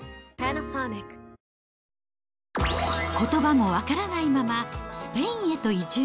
ことばも分からないまま、スペインへと移住。